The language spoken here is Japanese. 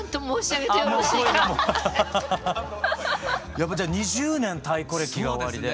やっぱじゃあ２０年太鼓歴がおありで。